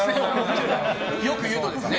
よく言うとですね。